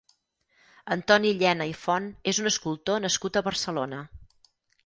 Antoni Llena i Font és un escultor nascut a Barcelona.